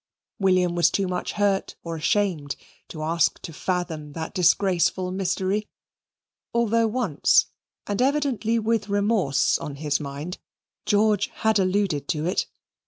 William was too much hurt or ashamed to ask to fathom that disgraceful mystery, although once, and evidently with remorse on his mind, George had alluded to it.